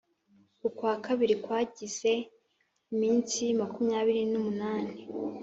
Ukwakabiri kwagize iminsi makumyabiri n’umunani